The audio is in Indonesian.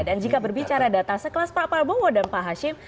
dan jika berbicara data sekelas pak prabowo dan pak hajim